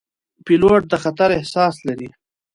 پیلوټ د خطر احساس لري.